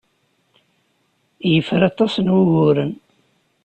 Yefra aṭas n wuguren.